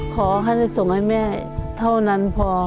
ขอให้ได้ส่งให้แม่เท่านั้นพอ